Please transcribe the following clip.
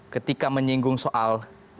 ketika menyinggung soal